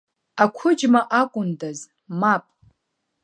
Ақәыџьма акәындаз, мап.